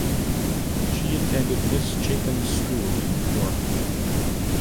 She attended Miss Chapin's School in New York.